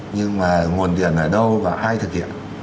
nhưng mà nguồn điện ở đâu và ai thực hiện